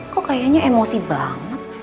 kok kayaknya emosi banget